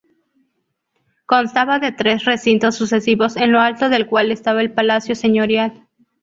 Constaba de tres recintos sucesivos, en lo alto del cual estaba el palacio señorial.